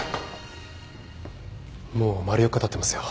もう丸四日経ってますよ。